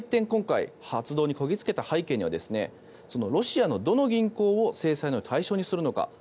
今回、発動にこぎ着けた背景にはロシアのどの銀行を制裁の対象にするのか